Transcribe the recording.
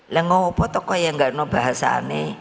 loh apa yang tidak ada bahasa ini